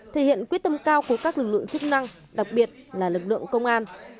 thể hiện quyết tâm cao của các lực lượng chức năng đặc biệt là lực lượng công an